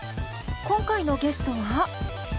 今回のゲストは。